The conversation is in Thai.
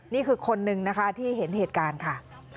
นี่คือคนนึงนะคะที่เห็นเหตุการณ์ค่ะ